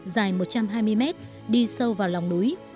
dài một trăm hai mươi mét đi sâu vào lòng núi